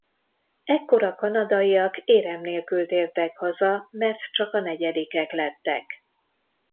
Ekkor a kanadaiak érem nélkül tértek haza mert csak a negyedikek lettek.